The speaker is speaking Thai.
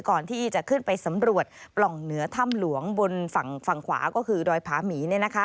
ก่อนที่จะขึ้นไปสำรวจปล่องเหนือถ้ำหลวงบนฝั่งขวาก็คือดอยผาหมี